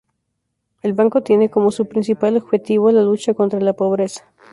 El Banco tiene como su principal objetivo la lucha contra la pobreza.